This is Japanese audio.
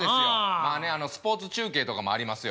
まあねスポーツ中継とかもありますよ。